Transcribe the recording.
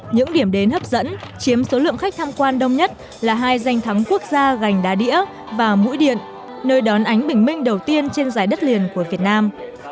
những điểm đến hấp dẫn chiếm số lượng khách tham quan đông nhất là hai danh thắng quốc gia gành đá đĩa và mũi điện nơi đón ánh bình minh đầu tiên trên dài đất liền của việt nam